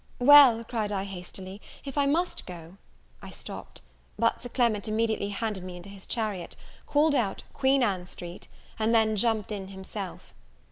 "Well," cried I hastily, "if I must go " I stopt; but Sir Clement immediately handed me into his chariot, called out, "Queen Ann Street," and then jumped in himself.